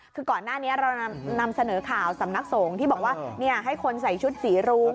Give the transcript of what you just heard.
คือก่อนหน้านี้เรานำเสนอข่าวสำนักสงฆ์ที่บอกว่าให้คนใส่ชุดสีรุ้ง